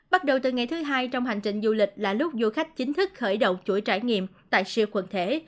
bắt đầu từ ngày thứ hai trong hành trình du lịch là lúc du khách chính thức khởi động chuỗi trải nghiệm tại siêu quận thể